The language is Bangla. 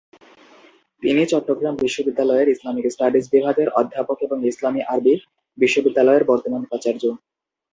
তিনি চট্টগ্রাম বিশ্ববিদ্যালয়ের ইসলামিক স্টাডিজ বিভাগের অধ্যাপক এবং ইসলামি আরবি বিশ্ববিদ্যালয়ের বর্তমান উপাচার্য।